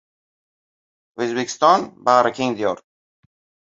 O‘zbekiston – bag‘rikeng diyor